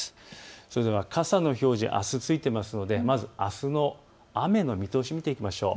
それでは傘の表示、あす付いていますのであすの雨の見通しを見ていきましょう。